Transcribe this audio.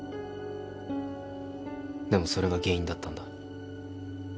でもそれが原因だったんだ。